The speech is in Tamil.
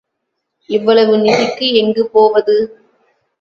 இவ்வளவு நிதிக்கு எங்குப் போவது?